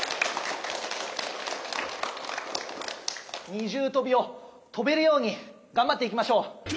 二重とびをとべるようにがんばっていきましょう。